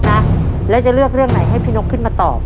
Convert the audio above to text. ตัวเลือดที่๑พศ๒๕๔๕